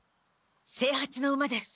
清八の馬です。